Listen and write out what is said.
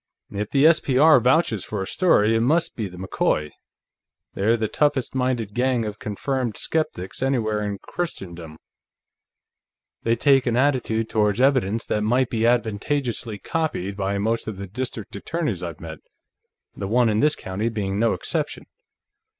If the S.P.R. vouches for a story, it must be the McCoy; they're the toughest minded gang of confirmed skeptics anywhere in Christendom. They take an attitude toward evidence that might be advantageously copied by most of the district attorneys I've met, the one in this county being no exception....